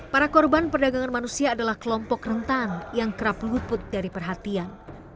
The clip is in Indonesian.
para korban perdagangan manusia adalah kelompok rentan yang kerap luput dari perhatian